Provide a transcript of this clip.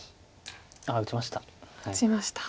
ああ打ちました。